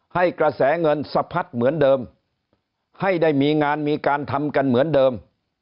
ให้กระแสเงินสะพัดเหมือนเดิมให้ได้มีงานมีการทำกันเหมือนเดิม